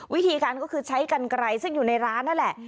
วิธีการก็คือใช้กันไกลซึ่งอยู่ในร้านนั่นแหละ